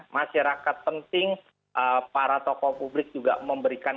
masyarakat penting para tokoh publik juga memberikan